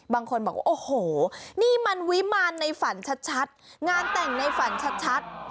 บางคนบอกว่าโอ้โหนี่มันวิมารในฝันชัดงานแต่งในฝันชัด